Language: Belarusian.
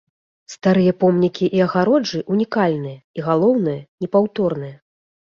Старыя помнікі і агароджы ўнікальныя і, галоўнае, непаўторныя.